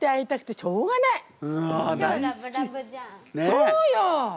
そうよ！